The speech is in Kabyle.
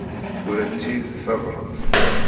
Urant-iyi-d tabrat.